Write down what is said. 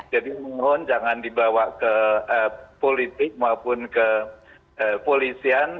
jadi mohon jangan dibawa ke politik maupun ke polisian